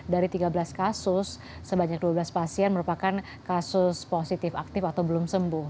dari tiga belas kasus sebanyak dua belas pasien merupakan kasus positif aktif atau belum sembuh